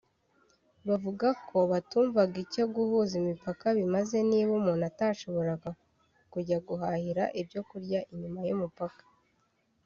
bavuga ko batumvaga icyo guhuza imipaka bimaze niba umuntu atashoboraga kujya guhahira ibyo kurya inyuma y’umupaka